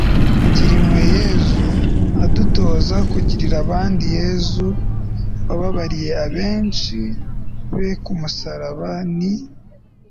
agiriye impuhwe yezu adutoza kugirira abandi. yezu wababariye abishi be k'umusaraba ni